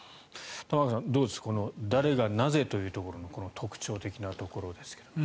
玉川さん、どうですか誰がなぜというところの特徴的なところですが。